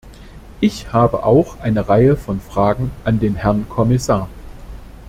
Ich habe auch eine Reihe von Fragen an den Herrn Kommissar.